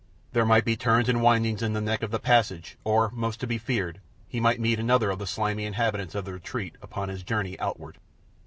There might be turns and windings in the neck of the passage, or, most to be feared, he might meet another of the slimy inhabitants of the retreat upon his journey outward.